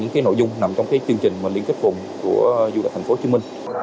những nội dung nằm trong chương trình liên kết vùng của du lịch tp hcm